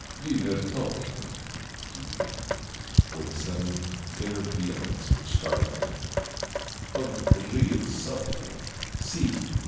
"We were talking," he began, with a sudden, bitter vehemence which startled me, "of real suffering. See!